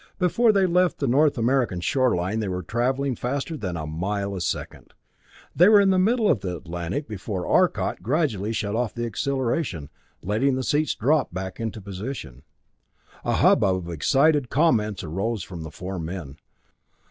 Before they left the North American shoreline they were traveling faster than a mile a second. They were in the middle of the Atlantic before Arcot gradually shut off the acceleration, letting the seats drop back into position. A hubbub of excited comments rose from the four men.